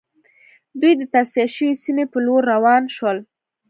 دوی د تصفیه شوې سیمې په لور روان شول